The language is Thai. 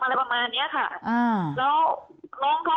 เอาเอกสารให้น้องเซ็น